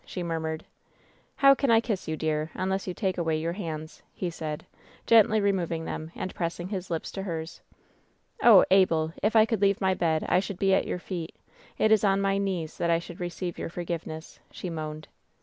she murmured. "How can I kiss you, dear, unless you take away your hands ?» he said, gently removing them and pressing his lips to hers. "Oh, Abel ! if I could leave my bed — I should be at your feet ! It is on my knees that I should receive your forgiveness," she moaned.